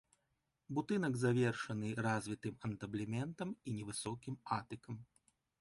Будынак завершаны развітым антаблементам і невысокім атыкам.